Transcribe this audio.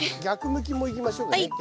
逆向きもいきましょうかね。